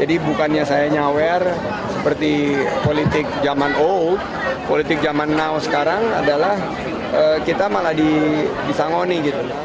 jadi bukannya saya nyawar seperti politik zaman old politik zaman now sekarang adalah kita malah disangoni